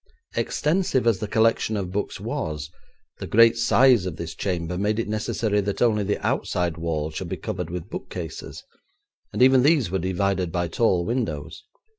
Extensive as the collection of books was, the great size of this chamber made it necessary that only the outside wall should be covered with book cases, and even these were divided by tall windows.